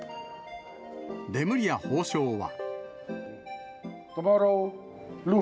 レムリヤ法相は。